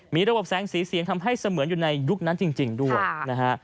มีระบบแสงสีเสียงทำให้เสมือนอยู่ในยุคนั้นจริงด้วยนะฮะ